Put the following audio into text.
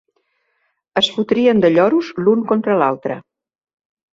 Es fotrien de lloros l'un contra l'altre.